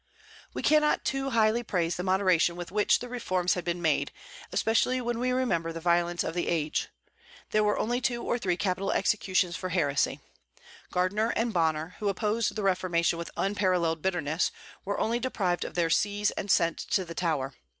We cannot too highly praise the moderation with which the reforms had been made, especially when we remember the violence of the age. There were only two or three capital executions for heresy. Gardiner and Bonner, who opposed the reformation with unparalleled bitterness were only deprived of their sees and sent to the Tower.